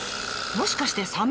もしかしてサメ？